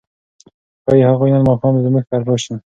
ښايي هغوی نن ماښام زموږ کره راشي.